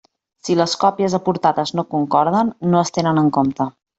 Si les còpies aportades no concorden, no es tenen en compte.